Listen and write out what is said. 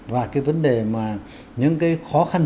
và cái vấn đề mà những cái khó khăn